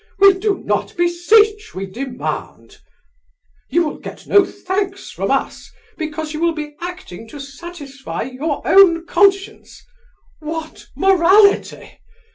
'We do not beseech, we demand, you will get no thanks from us, because you will be acting to satisfy your own conscience!' What morality!